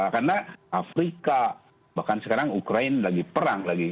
karena afrika bahkan sekarang ukraine lagi perang lagi